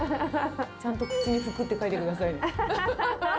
ちゃんと口に福って書いてくださいね。